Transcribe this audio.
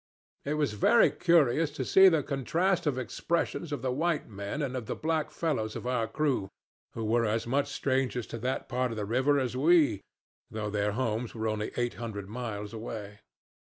It was very curious to see the contrast of expressions of the white men and of the black fellows of our crew, who were as much strangers to that part of the river as we, though their homes were only eight hundred miles away.